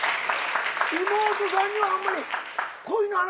妹さんにはあんまり恋の話しないの？